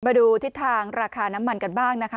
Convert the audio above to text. มาดูทิศทางราคาน้ำมันกันบ้างนะคะ